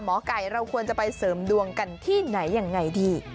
หมอไก่เราควรจะไปเสริมดวงกันที่ไหนยังไงดี